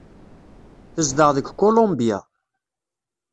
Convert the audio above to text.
Tezdeɣ deg Kulumbya.